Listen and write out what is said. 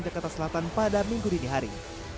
yang dekat ke selatan pada minggu ini hari